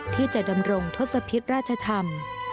ที่จะดำรงทศพิษราชธรรม